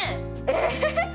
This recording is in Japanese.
えっ？